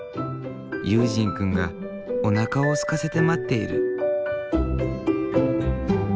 悠仁くんがおなかをすかせて待っている。